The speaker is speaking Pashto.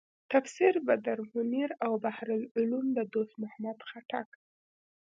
تفسیر بدرمنیر او بحر العلوم د دوست محمد خټک.